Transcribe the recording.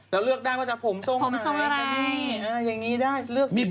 เราเลือกได้ว่าจะผมทรงไหน